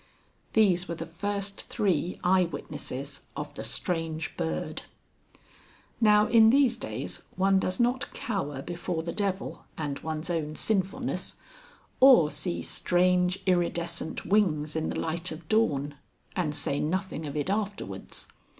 These were the first three eye witnesses of the Strange Bird. Now in these days one does not cower before the devil and one's own sinfulness, or see strange iridiscent wings in the light of dawn, and say nothing of it afterwards.